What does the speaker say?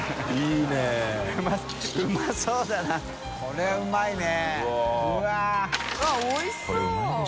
いいね。